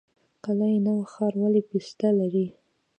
قلعه نو ښار ولې پسته لري؟